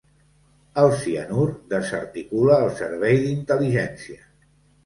El cianur desarticula el servei d'intel·ligència.